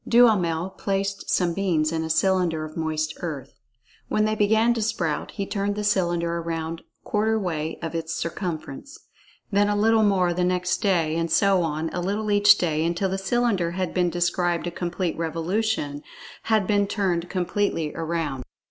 Duhamel placed some beans in a cylinder of moist earth. When they began to sprout, he turned the cylinder around quarter way of its circumference; then a little more the next day; and so on, a little each day, until the cylinder had described a complete revolution—had been turned completely around.